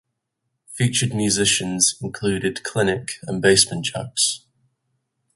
Featured musicians included Clinic and Basement Jaxx.